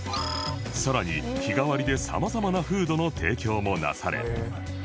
さらに日替わりで様々なフードの提供もなされ